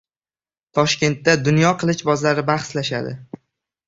Toshkentda dunyo qilichbozlari bahslashadi